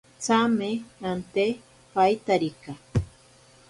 Tsame ante paitarika.